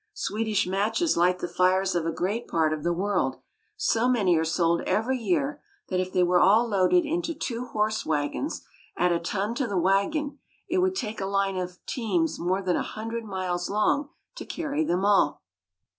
Swedish matches light the fires of a great part of the world; so many are sold every year that, if they were all loaded into two horse wagons, at a ton to the wagon, it would take a line of teams more than a hundred miles long to carry them all.